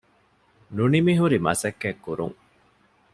ނުނިމިހުރި މަސައްކަތްކުރުން